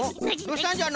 どうしたんじゃ？